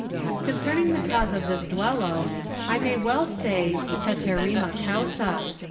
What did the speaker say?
Concerning the cause of this duello, I may well say teterrima causa.